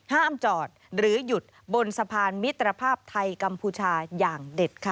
ห้ามจอดหรือหยุดบนสะพานมิตรภาพไทยกัมพูชาอย่างเด็ดค่ะ